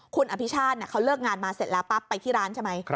คุณอภิชาติเขาเลิกงานมาเสร็จแล้วปั๊บไปที่ร้านใช่ไหม